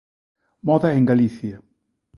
Moda en Galicia.